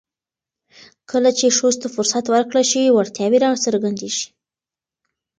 کله چې ښځو ته فرصت ورکړل شي، وړتیاوې راڅرګندېږي.